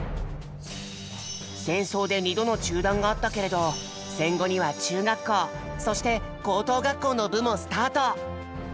戦争で２度の中断があったけれど戦後には中学校そして高等学校の部もスタート。